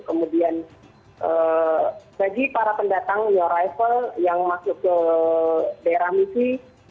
kemudian bagi para pendatang new arrival yang masuk ke daerah misi